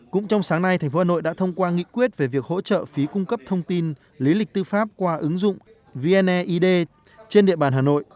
cũng trong sáng nay tp hà nội đã thông qua nghị quyết về việc hỗ trợ phí cung cấp thông tin lý lịch tư pháp qua ứng dụng vneid trên địa bàn hà nội